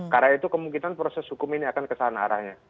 karena itu kemungkinan proses hukum ini akan kesalahan arahnya